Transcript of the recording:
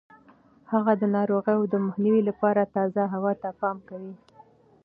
هغه د ناروغیو د مخنیوي لپاره تازه هوا ته پام کوي.